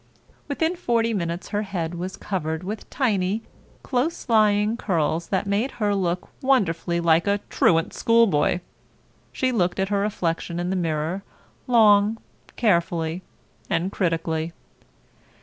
Within forty minutes her head was covered with tiny, close lying curls that made her look wonderfully like a truant schoolboy. She looked at her reflection in the mirror long, carefully, and critically.